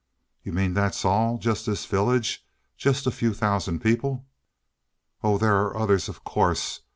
"You mean that's all? Just this village? Just a few thousand people?" "Oh there are others, of course.